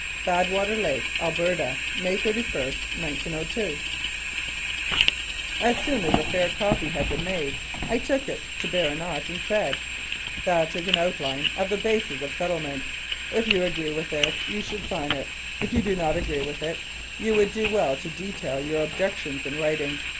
"Badwater Lake, Alberta. "May 31, 1902." As soon as a fair copy had been made I took it to Bourinot and said, "That is an outline of the basis of settlement; if you agree with it you should sign it; if you do not agree with it you would do well to detail your objections in writing."